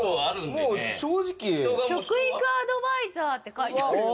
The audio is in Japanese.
食育アドバイザーって書いてある。